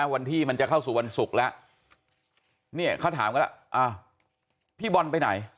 วันที่มันจะเข้าสู่วันศุกร์แล้วเนี่ยเขาถามกันแล้วพี่บอลไปไหน